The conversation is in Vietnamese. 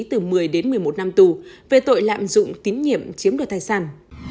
từ một mươi đến một mươi một năm tù về tội lạm dụng tín nhiệm chiếm đồ thai sản